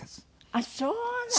ああそうなの？